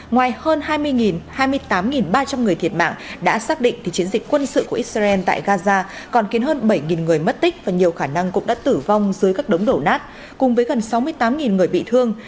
ngoài hơn hai mươi hai mươi tám ba trăm linh người thiệt mạng đã xác định thì chiến dịch quân sự của israel tại gaza còn khiến hơn bảy người mất tích và nhiều khả năng cũng đã tử vong dưới các đống đổ nát cùng với gần sáu mươi tám người bị thương